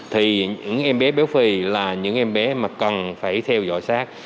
thì những em béo phì là những em bé mà cần phải theo dõi sát